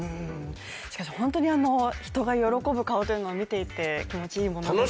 しかし本当に、人が喜ぶ顔というのは見ていて気持ちがいいものですね。